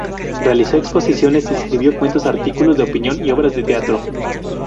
Realizó exposiciones y escribió cuentos, artículos de opinión y obras de teatro.